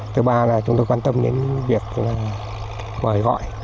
thứ ba là chúng tôi quan tâm đến việc mời gọi